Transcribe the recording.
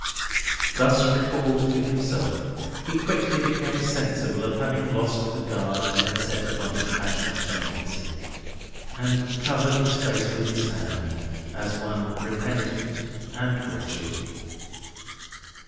Thus recalled to himself, he quickly became sensible of having lost the guard he had set upon his passionate tendency, and covered his face with his hand, as one repentant and wretched.